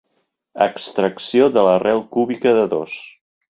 Extracció de l'arrel cúbica de dos.